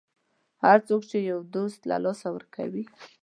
هغه څوک چې یو دوست له لاسه ورکوي.